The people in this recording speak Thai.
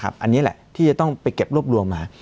อันนี้แหละที่จะต้องไปเก็บรวบรวมมา